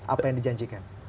apa yang dijanjikan